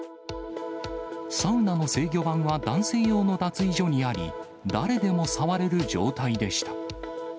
サウナの制御盤は男性用の脱衣所にあり、誰でも触れる状態でした。